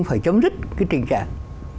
phải chấm dứt cái tình trạng